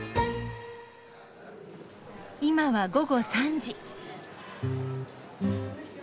今は午後３時。